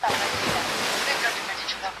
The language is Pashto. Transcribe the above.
زه به د هنرونو تمرين کړی وي..